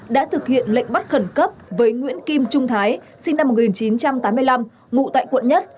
đã thực hiện lệnh bắt khẩn cấp với nguyễn kim trung thái sinh năm một nghìn chín trăm tám mươi năm ngụ tại quận một